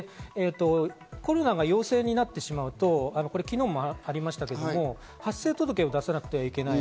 コロナが陽性になってしまうと、昨日もありましたけど、発生届を出さなくちゃいけない。